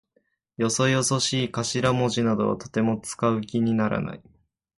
よそよそしい頭文字などはとても使う気にならない。